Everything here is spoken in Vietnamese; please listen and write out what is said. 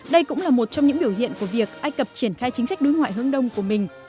đây cũng là một trong những biểu hiện của việc ai cập triển khai chính sách đối ngoại hướng đông của mình